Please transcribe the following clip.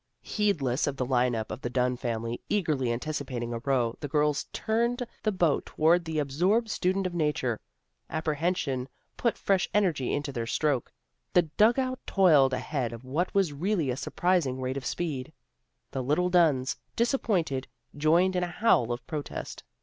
Heedless of the line up of the Dunn family, eagerly anticipating a row, the girls turned the boat toward the absorbed student of nature. Apprehension put fresh energy into their stroke. The dug out toiled ahead at what was really a surprising rate of speed. The little Dunns, disappointed, joined in a howl of protest.